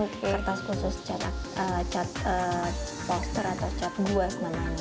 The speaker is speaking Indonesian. itu kertas khusus cat poster atau cat gua sebenarnya